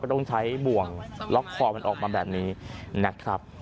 ต้องใช้บ่วงล็อกคอมันออกมาแบบนี้นะครับ